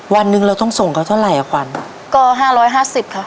วันหนึ่งเราต้องส่งเขาเท่าไหร่อ่ะขวัญก็ห้าร้อยห้าสิบค่ะ